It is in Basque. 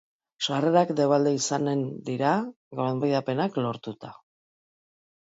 Sarrerak debalde izanen dira, gonbidapenak lortuta.